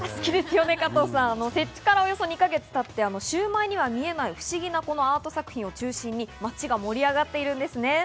設置からおよそ２か月たって、シウマイには見えない不思議なアート作品を中心に街が盛り上がっているんです。